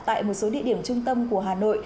tại một số địa điểm trung tâm của hà nội